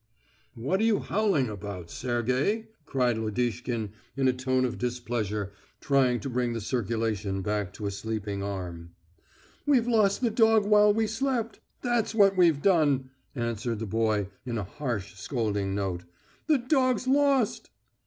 "What are you howling about, Sergey?" cried Lodishkin in a tone of displeasure, trying to bring the circulation back to a sleeping arm. "We've lost the dog whilst we slept. That's what we've done," answered the boy in a harsh, scolding note. "The dog's lost."